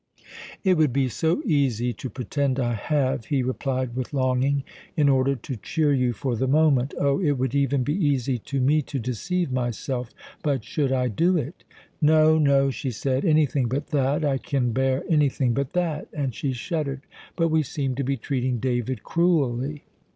"It would be so easy to pretend I have," he replied, with longing, "in order to cheer you for the moment. Oh, it would even be easy to me to deceive myself; but should I do it?" "No, no," she said; "anything but that; I can bear anything but that," and she shuddered. "But we seem to be treating David cruelly."